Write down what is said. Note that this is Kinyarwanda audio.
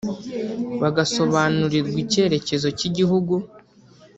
bagasobanurirwa icyerekezo cy’igihugu